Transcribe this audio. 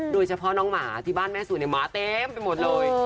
โดยเฉพาะน้องหมาที่บ้านแม่สู่หมาเต็มไปหมดเลย